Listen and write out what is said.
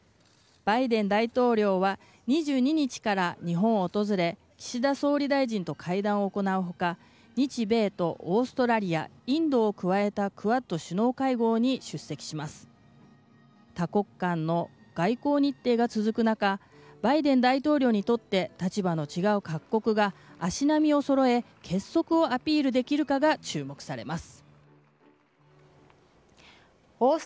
バイデン大統領は２２日から日本を訪れ岸田総理大臣と会談を行う他日米とオーストラリア、インドを加えたクアッド首脳会合に多国間の外交日程が続く中バイデン大統領にとって立場の違う各国が足並みをそろえ結束をアピールできるかが注目されます。